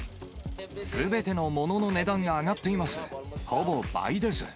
すべてのものの値段が上がっています。